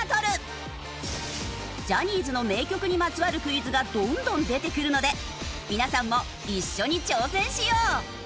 ジャニーズの名曲にまつわるクイズがどんどん出てくるので皆さんも一緒に挑戦しよう！